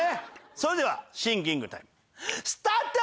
それではシンキングタイムスタート！